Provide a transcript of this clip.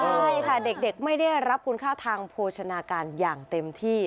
ใช่ค่ะเด็กไม่ได้รับคุณค่าทางโภชนาการอย่างเต็มที่